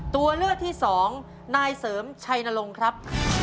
ตัวเลือกที่สองนายเสริมชัยนรงค์ครับ